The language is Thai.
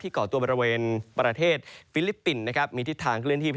เกาะตัวบริเวณประเทศฟิลิปปินส์นะครับมีทิศทางเคลื่อนที่